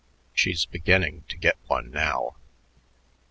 She's beginning to get one now."